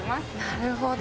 なるほど。